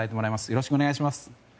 よろしくお願いします。